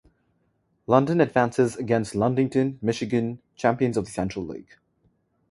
London advances against Ludington, Michigan, champions of the Central League.